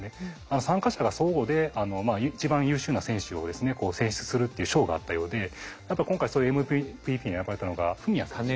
参加者が相互で一番優秀な選手を選出するっていう賞があったようでやっぱり今回そういうＭＶＰに選ばれたのが史哉さん。